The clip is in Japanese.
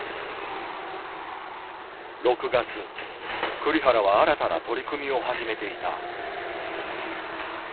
栗原は新たな取り組みを始めていた。